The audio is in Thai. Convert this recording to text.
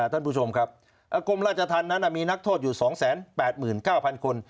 ท่านผู้ชมครับกรมราชธรรมนั้นมีนักโทษอยู่๒๘๙๐๐คน